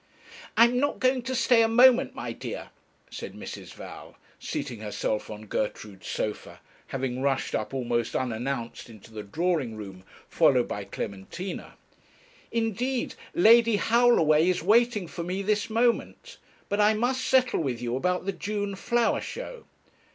'I am not going to stay a moment, my dear,' said Mrs. Val, seating herself on Gertrude's sofa, having rushed up almost unannounced into the drawing room, followed by Clementina; 'indeed, Lady Howlaway is waiting for me this moment; but I must settle with you about the June flower show.'